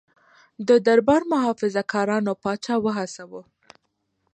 د دربار محافظه کارانو پاچا وهڅاوه.